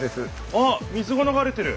あっ水がながれてる！